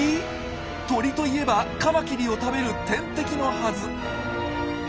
鳥といえばカマキリを食べる天敵のはず。